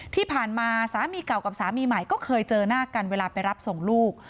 ที่ผ่านมาสามีเก่ากับสามีใหม่ก็เคยเจอหน้ากันเวลาไปรับส่งลูก